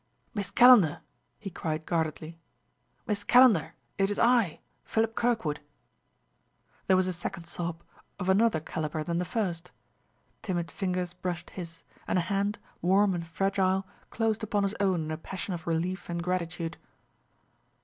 "Miss Calendar!" he cried guardedly. "Miss Calendar, it is I Philip Kirkwood!" There was a second sob, of another caliber than the first; timid fingers brushed his, and a hand, warm and fragile, closed upon his own in a passion of relief and gratitude.